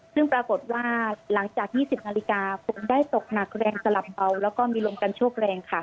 ซึ่งปรากฏว่าหลังจาก๒๐นาฬิกาฝนได้ตกหนักแรงสลับเบาแล้วก็มีลมกันโชคแรงค่ะ